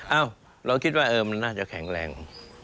เอ้าเราคิดว่ามันน่าจะแข็งแรง